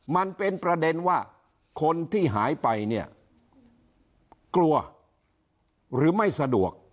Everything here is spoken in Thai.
มันเป็นประเด็นว่าคนที่หายไปเนี่ยกลัวหรือไม่สะดวก